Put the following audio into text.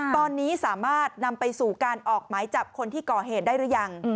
ตอนนี้สามารถนำไปสู่การออกหมายจับคนที่ก่อเหตุได้หรือยัง